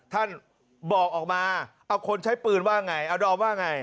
ท่านบอกออกมาเอาคนใช้ปืนว่าอย่างไรอดรว่าอย่างไร